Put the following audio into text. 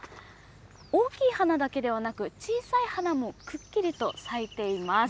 大きい花だけではなく、小さい花もくっきりと咲いています。